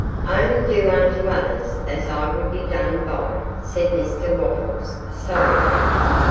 'I only do unto others as I would be done by,' said Mr Wopples, solemnly.